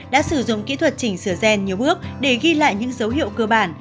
đã sử dụng kỹ thuật chỉnh sửa gen nhiều bước để ghi lại những dấu hiệu cơ bản